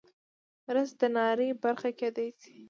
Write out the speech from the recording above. رس د ناري برخه کیدی شي